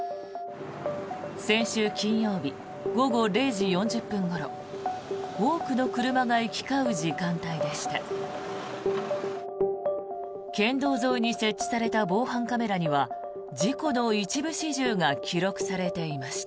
先週金曜日午後０時４０分ごろ多くの車が行き交う時間帯でした。